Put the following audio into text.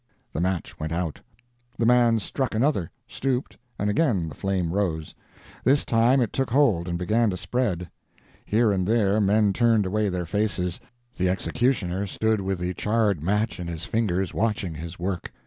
The match went out. The man struck another, stooped, and again the flame rose; this time it took hold and began to spread here and there men turned away their faces. The executioner stood with the charred match in his fingers, watching his work.